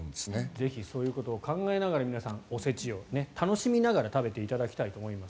ぜひそういうことを考えながら皆さん、お節を楽しみながら食べていただきたいと思います。